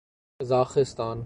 Kazakhstan